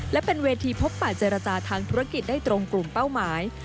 และเป็นเวทีพบป่าเจรจาทางธุรกิจได้ตรงกลุ่มเป้าหมาย